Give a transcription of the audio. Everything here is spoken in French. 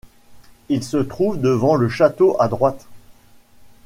Il se trouve devant le château à droite.